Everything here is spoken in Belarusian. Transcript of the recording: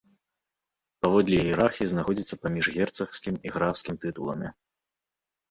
Паводле іерархіі знаходзіцца паміж герцагскім і графскім тытуламі.